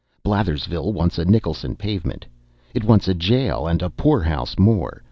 Blathersville wants a Nicholson pavement it wants a jail and a poorhouse more.